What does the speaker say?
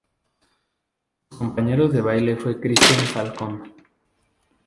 Su compañero de baile fue Cristian Falcón.